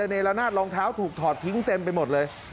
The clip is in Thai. เนละนาดรองเท้าถูกถอดทิ้งเต็มไปหมดเลย